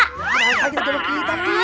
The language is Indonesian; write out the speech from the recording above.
harap harap kita jodoh kita di